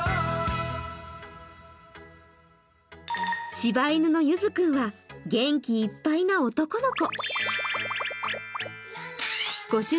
しば犬のゆずくんは元気いっぱいの男の子。